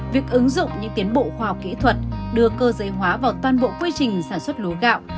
việc ứng dụng những tiến bộ khoa học kỹ thuật đưa cơ giới hóa vào toàn bộ quy trình sản xuất lúa gạo